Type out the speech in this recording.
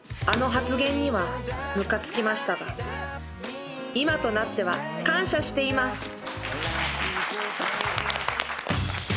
［あの発言にはムカつきましたが今となっては感謝しています］